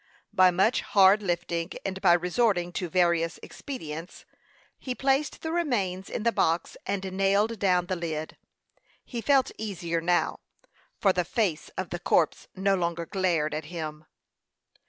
By much hard lifting, and by resorting to various expedients, he placed the remains in the box and nailed down the lid. He felt easier now, for the face of the corpse no longer glared at him.